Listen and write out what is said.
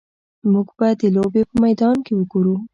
موږ به د لوبې په میدان کې وګورو